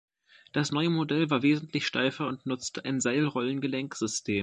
Das neue Modell war wesentlich steifer und nutzte ein Seil-Rollen-Gelenksystem.